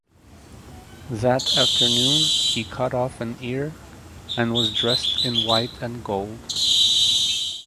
That afternoon he cut off an ear and was dressed in white and gold.